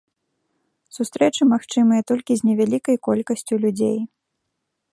Сустрэчы магчымыя толькі з невялікай колькасцю людзей.